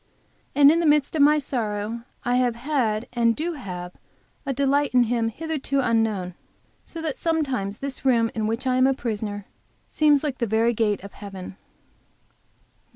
And in the midst of my sorrow I have had and do have a delight in Him hitherto unknown, so that sometimes this room in which I am a prisoner seems like the very gate of heaven.